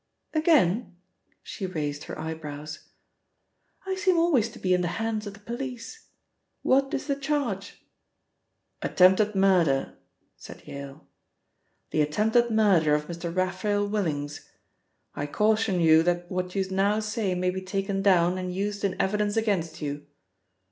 "Again?" she raised her eyebrows. "I seem always to be in the hands of the police. What is the charge?" "Attempted murder," said Yale. "The attempted murder of Mr. Raphael Willings. I caution you that what you now say may be taken down, and used in evidence against you."